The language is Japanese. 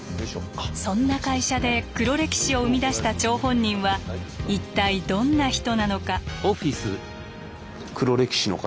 そんな会社で黒歴史を生み出した張本人は一体どんな人なのか？